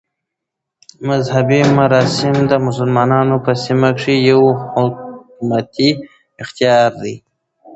مذهبي مراسم د مسلمانانو په سیمو کښي یو حکومتي اختیار دئ.